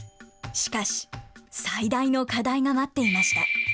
しかし、最大の課題が待っていました。